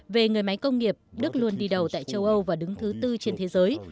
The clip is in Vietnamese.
về người máy công nghiệp đức luôn đi đầu tại châu âu và đứng thứ tư trên thế giới